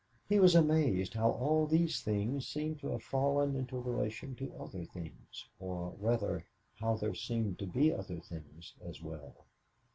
He was amazed how all these things seemed to have fallen into relation to other things, or, rather, how there seemed to be other things as well.